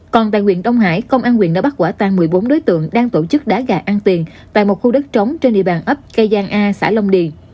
còn tại huyện đông hải công an huyện đã bắt quả tăng một mươi bốn đối tượng đang tổ chức đá gà ăn tiền tại một khu đất trống trên địa bàn ấp cây giang a xã lông điền